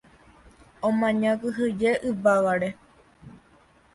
omaña kyhyje yvágare